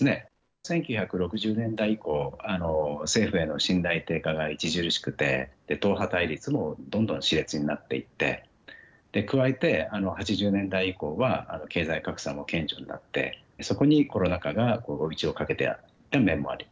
１９６０年代以降政府への信頼低下が著しくて党派対立もどんどんしれつになっていって加えて８０年代以降は経済格差も顕著になってそこにコロナ禍が追い打ちをかけた面もあると。